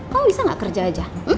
kamu bisa nggak kerja aja